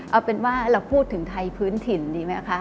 เอาเป็นว่าเราพูดถึงไทยพื้นถิ่นดีไหมคะ